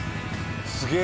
すげえ。